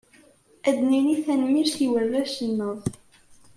Ad nini tanemmirt i warrac-nneɣ!